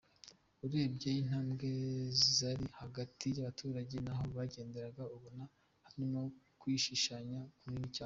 Urebye intambwe zari hagati y’abaturage naho yagenderaga ubona harimo kwishishanya kunini cyane.